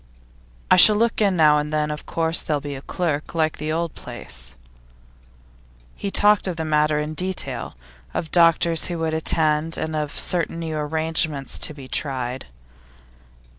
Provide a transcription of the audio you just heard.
'I shall look in now and then, of course; there'll be a clerk, like at the old place.' He talked of the matter in detail of the doctors who would attend, and of certain new arrangements to be tried.